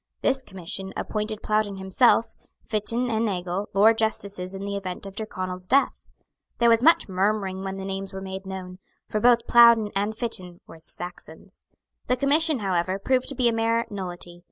This commission appointed Plowden himself, Fitton and Nagle, Lords justices in the event of Tyrconnel's death. There was much murmuring when the names were made known. For both Plowden and Fitton were Saxons. The commission, however, proved to be a mere nullity.